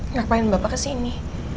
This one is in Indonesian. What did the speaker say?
ngapain bapak kesini